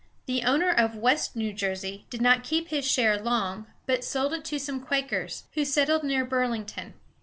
The owner of West New Jersey did not keep his share long, but sold it to some Quakers, who settled near Bur´ling ton.